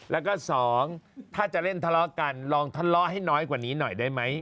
แล้วก็สองถ้าจะเล่นทะเลาะกันลองทะเลาะให้น้อยกว่านี้หน่อยได้ไหม